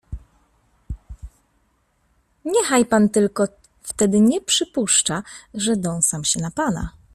"Niechaj pan tylko wtedy nie przypuszcza, że dąsam się na pana."